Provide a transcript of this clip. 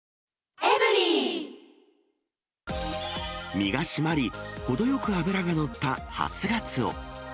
身が締まり、程よく脂が乗った初ガツオ。